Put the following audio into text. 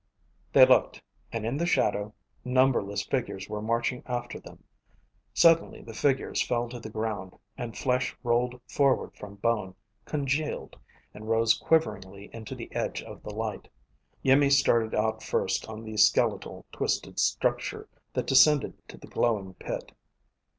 They looked, and in the shadow, numberless figures were marching after them. Suddenly the figures fell to the ground, and flesh rolled forward from bone, congealed, and rose quiveringly into the edge of the light. Iimmi started out first on the skeletal, twisted structure that descended to the glowing pit.